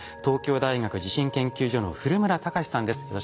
東京大学地震研究所の古村孝志さんです。